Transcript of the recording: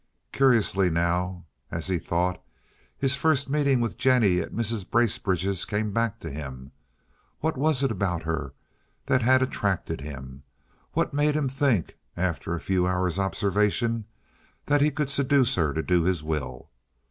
Curiously, now, as he thought, his first meeting with Jennie at Mrs. Bracebridge's came back to him. What was it about her then that had attracted him? What made him think, after a few hours' observation, that he could seduce her to do his will?